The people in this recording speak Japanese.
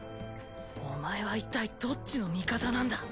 お前はいったいどっちの味方なんだ！？